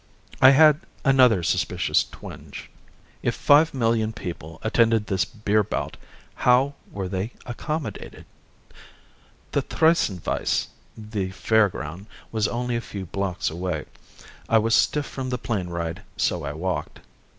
I had another suspicious twinge. If five million people attended this beer bout, how were they accommodated? The Theresienwiese, the fair ground, was only a few blocks away. I was stiff from the plane ride so I walked.